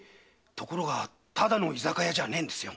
ところがただの居酒屋じゃねえんですよ。